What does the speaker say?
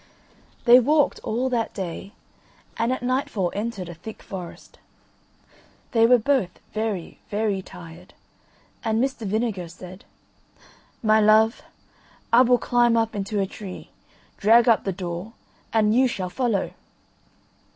They walked all that day, and at nightfall entered a thick forest. They were both very, very tired, and Mr. Vinegar said: "My love, I will climb up into a tree, drag up the door, and you shall follow."